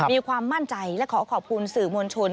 มีความมั่นใจและขอขอบคุณสื่อมวลชน